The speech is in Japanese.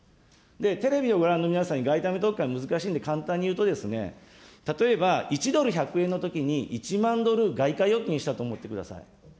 テレビをご覧の皆さんに外為特会難しいんで、簡単に言うと、例えば、１ドル１００円のときに１万ドル外貨預金したと思ってください。